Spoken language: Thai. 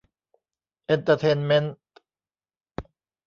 เอนเตอร์เทนเม้นท์